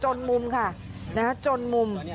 มุมค่ะจนมุม